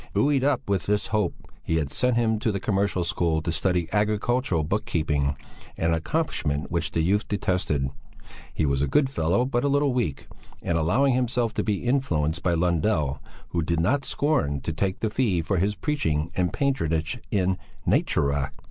Buoyed up with this hope, he had sent him to the Commercial School to study agricultural book keeping, an accomplishment which the youth detested. He was a good fellow but a little weak, and allowing himself to be influenced by Lundell, who did not scorn to take the fee for his preaching and patronage in natura.